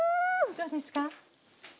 どうですか？